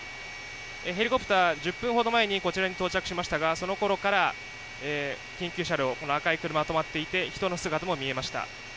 ヘリコプター、１０分ほど前にこちらに到着しましたがそのころから緊急車両、この赤い車が止まっていて人の姿も見えました。